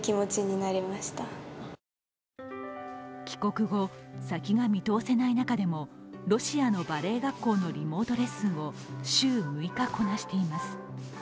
帰国後、先が見通せない中でもロシアのバレエ学校のリモートレッスンを週６日こなしています。